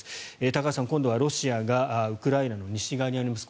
高橋さん今度はロシアがウクライナの西側にあります